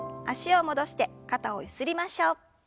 脚を戻して肩をゆすりましょう。